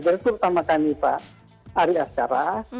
terutama kami pak ari asyara